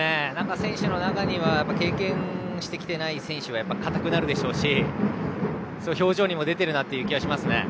選手の中では経験してきていない選手は硬くなるでしょうし表情にも出ている気がしますね。